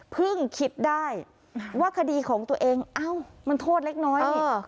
คิดได้ว่าคดีของตัวเองเอ้ามันโทษเล็กน้อยนี่